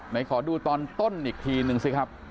ไหนขอดูตอนต้นอีกทีนึงสิครับ